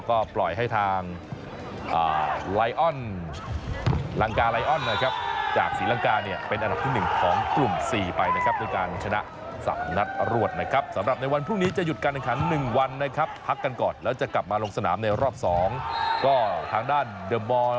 กลุ่มสี่ไปนะครับจากการชนะสัตว์นะครับสำหรับในวันพรุ่งนี้จะหยุดกันครับหนึ่งวันนะครับพักกำก่อนแล้วจะกลับมาลงสนามในรอบสองก็ทางด้านเอ่อ